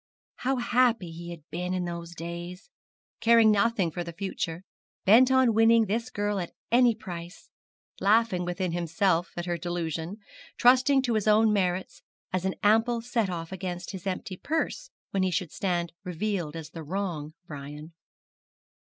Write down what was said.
How happy he had been in those days! caring nothing for the future bent on winning this girl at any price laughing within himself at her delusion trusting to his own merits as an ample set off against his empty purse when he should stand revealed as the wrong Brian.